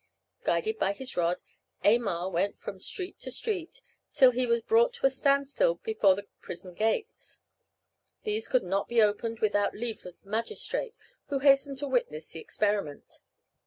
Guided by his rod, Aymar went from street to street, till he was brought to a standstill before the prison gates. These could not be opened without leave of the magistrate, who hastened to witness the experiment.